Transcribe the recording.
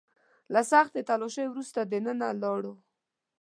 له سختې تلاشۍ وروسته دننه لاړو.